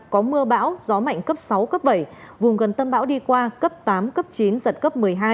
có mưa bão gió mạnh cấp sáu cấp bảy vùng gần tâm bão đi qua cấp tám cấp chín giật cấp một mươi hai